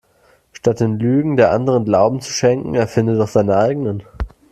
Statt den Lügen der Anderen Glauben zu schenken erfinde doch deine eigenen.